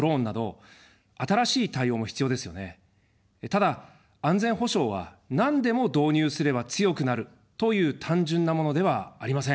ただ、安全保障は、なんでも導入すれば強くなるという単純なものではありません。